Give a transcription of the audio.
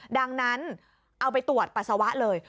ดังนั้นเอาไปตรวจปัสสาวะเลย